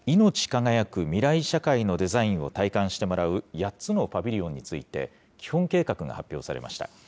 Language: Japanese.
輝く未来社会のデザインを体感してもらう８つのパビリオンについて、基本計画が発表されました。